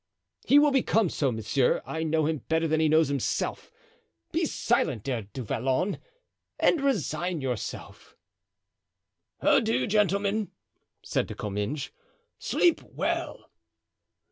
"He will become so, monsieur; I know him better than he knows himself. Be silent, dear Du Vallon, and resign yourself." "Adieu, gentlemen," said De Comminges; "sleep well!"